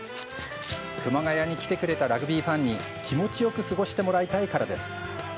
熊谷に来てくれたラグビーファンに気持ちよく過ごしてもらいたいからです。